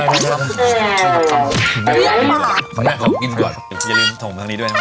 ซักหนึ่งทำแหงผมกินก่อนอย่าลืมส่งมันทำหนึ่งด้วย